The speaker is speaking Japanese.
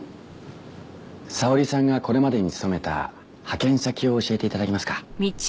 沙織さんがこれまでに勤めた派遣先を教えて頂けますか？